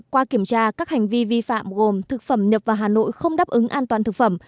qua kiểm tra các hành vi vi phạm gồm thực phẩm nhập vào hà nội không đáp ứng an toàn thực phẩm